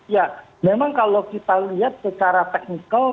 ya memang kalau kita lihat secara teknikal